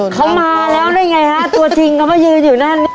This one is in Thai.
เขามาแล้วได้ไงฮะตัวจริงเขามายืนอยู่นั่น